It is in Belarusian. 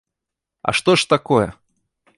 А што ж такое?